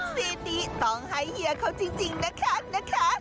ซีนนี้ต้องให้เฮียเขาจริงนะคะ